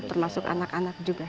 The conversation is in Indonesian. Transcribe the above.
termasuk anak anak juga